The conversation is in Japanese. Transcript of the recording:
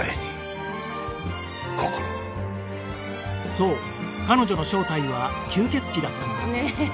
そう彼女の正体は吸血鬼だったのだねえ